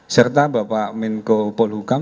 serta bapak menko polhukam